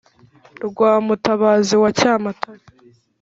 rwa mutabazi wa cyamatare,